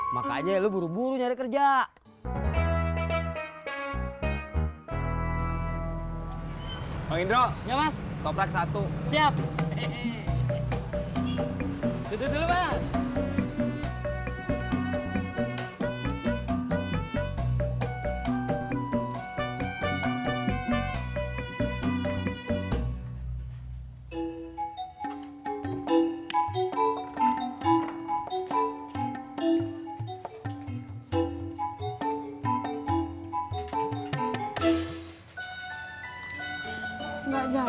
makanya lo buru buru nyari kerja